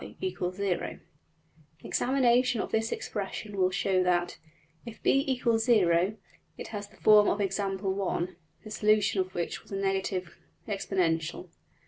\end{DPalign*} Examination of this expression will show that, if $b = 0$, it has the form of Example~1, the solution of which was a negative exponential.